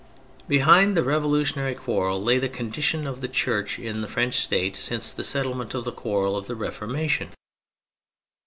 Behind the revolutionary quarrel lay the condition of the Church in the French State since the settlement of the quarrel of the Reformation.